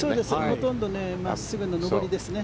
ほとんど真っすぐの上りですね。